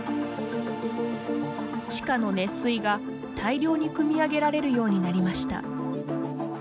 地下の熱水が大量にくみ上げられるようになりました。